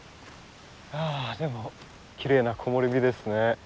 あでもきれいな木漏れ日ですね。